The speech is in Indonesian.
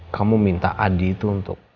kamu minta adi itu untuk